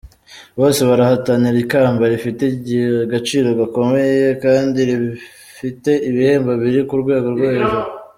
Bose barahatanira ikamba rifite agaciro gakomeye kandi rifite ibihembo biri ku rwego rwo hejuru.